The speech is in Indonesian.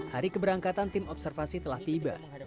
hari keberangkatan tim observasi telah tiba